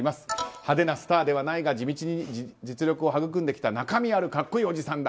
派手なスターではないが地道に実力をはぐくんできた中身ある格好いいおじさんだ。